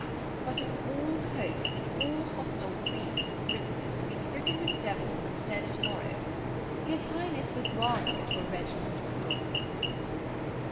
But if all popes and all hostile queens and princes could be stricken with devils and dead to morrow, his Highness would rather it were Reginald Pole.'